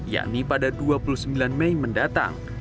yakni pada dua puluh sembilan mei mendatang